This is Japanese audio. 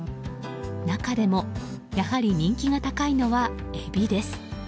中でも、やはり人気が高いのはエビです。